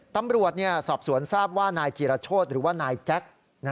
ตำรวจสอบสวนทราบว่านายจีรโชธหรือว่านายแจ็ค